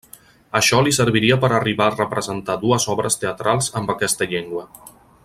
Això li serviria per arribar a representar dues obres teatrals amb aquesta llengua.